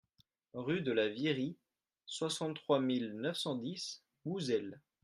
Rue de la Virie, soixante-trois mille neuf cent dix Bouzel